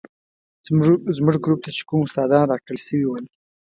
زموږ ګروپ ته چې کوم استادان راکړل شوي ول.